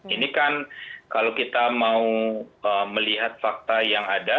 ini kan kalau kita mau melihat fakta yang ada